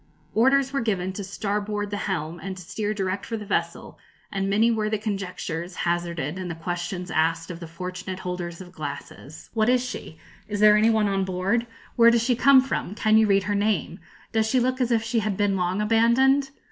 Orders were given to starboard the helm, and to steer direct for the vessel; and many were the conjectures hazarded, and the questions asked of the fortunate holders of glasses. 'What is she?' 'Is there any one on board?' 'Where does she come from?' 'Can you read her name?' 'Does she look as if she had been long abandoned?'